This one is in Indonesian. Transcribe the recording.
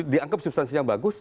dan dianggap substansi yang bagus